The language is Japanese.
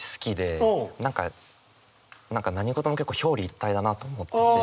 何か何事も結構表裏一体だなと思ってて。